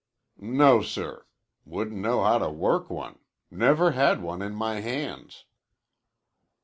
"No, sir. Wouldn't know how to work one. Never had one in my hands."